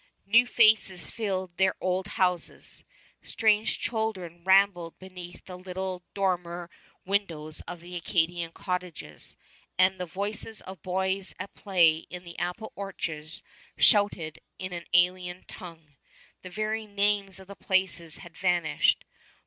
New faces filled their old houses. Strange children rambled beneath the little dormer windows of the Acadian cottages, and the voices of the boys at play in the apple orchards shouted in an alien tongue. The very names of the places had vanished.